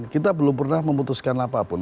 kita belum pernah memutuskan apa pun